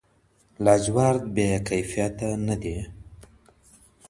لاجورد بې کیفیته نه دي.